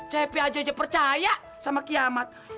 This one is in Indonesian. cepi aja percaya sama kiamat